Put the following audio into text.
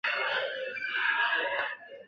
贡山栎为壳斗科栎属下的一个种。